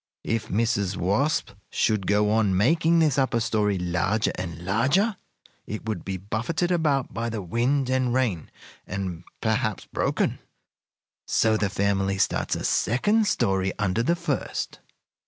If Mrs. Wasp should go on making this upper story larger and larger, it would be buffeted about by the wind and rain, and perhaps broken. So the family starts a second story under the first.